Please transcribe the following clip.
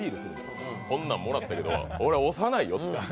こんなんもらったけど、俺、押さないよと。